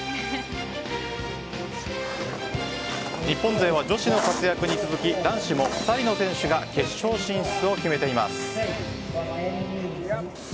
日本勢は女子の活躍に続き男子も２人の選手が決勝進出を決めています。